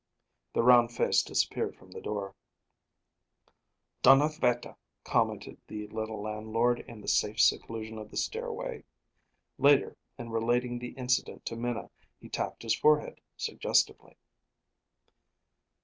The round face disappeared from the door. "Donnerwetter!" commented the little landlord in the safe seclusion of the stairway. Later, in relating the incident to Minna, he tapped his forehead, suggestively.